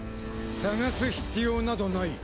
探す必要などない。